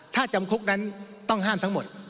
ถ้าจำคุกนั้นต้องห้ามทั้งหมด